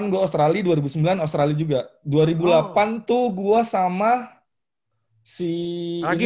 dua ribu delapan gua australia dua ribu sembilan australia juga dua ribu delapan tuh gua sama si ini